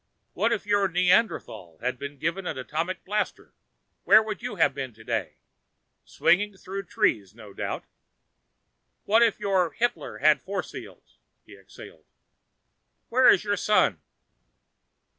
What if your Neanderthal had been given atomic blasters? Where would you have been today? Swinging through trees, no doubt. What if your Hitler had force fields?" He exhaled. "Where is your son?"